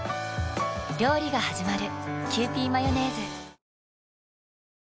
料理がはじまる。